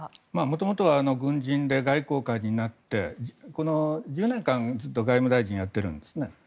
元々は軍人で外交官になってこの１０年間ずっと外務大臣をやっているんですね。